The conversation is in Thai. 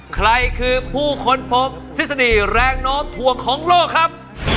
ใครคือผู้ค้นพบทฤษฎีแรงน้อมถ่วงของโลกครับ